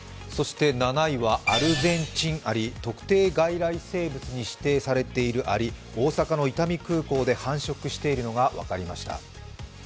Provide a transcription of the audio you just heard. そして７位はアルゼンチンアリ、特定外来生物に指定されているアリ、大阪の伊丹空港で繁殖しているのが分かりました。